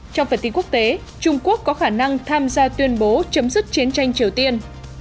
trong phần tin quốc tế trung quốc có khả năng tham gia tuyên bố chấm dứt chiến tranh triều tiên